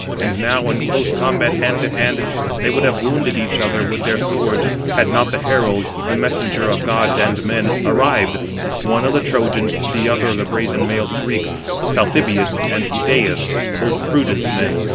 And now in close combat hand to hand, they would have wounded each other with their swords, had not the heralds, the messengers of gods and men, arrived, one of the Trojans, the other of the brazen mailed Greeks, Talthybius and Idæus, both prudent men.